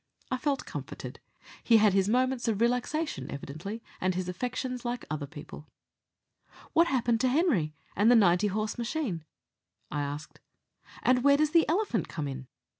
I felt comforted. He had his moments of relaxation evidently, and his affections like other people. "What happened to Henry and the ninety horse machine?" I asked. "And where does the elephant come in?"